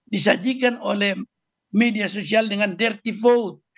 disajikan oleh media sosial dengan derty vote